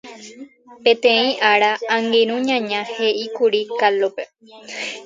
Peteĩ ára angirũ ñaña he'íkuri Kalópe.